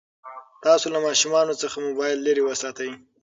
تاسو له ماشومانو څخه موبایل لرې وساتئ.